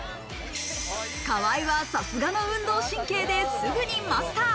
河合はさすがの運動神経ですぐにマスター。